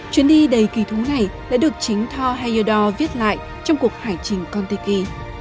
chuyến đi đầy kỳ thúng này đã được chính thor heyerdahl viết lại trong cuộc hải trình kon tiki